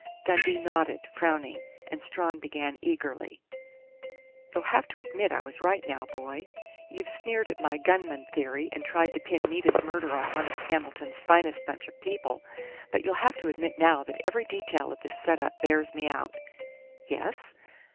Dundee nodded, frowning, and Strawn began eagerly: "You'll have to admit I was right now, boy. You've sneered at my gunman theory and tried to pin Nita's murder on one of Hamilton's finest bunch of people, but you'll have to admit now that every detail of this set up bears me out." "Yes?"